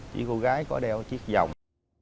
chỉ cô gái có đeo chiếc dòng